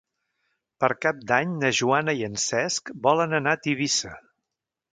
Per Cap d'Any na Joana i en Cesc volen anar a Tivissa.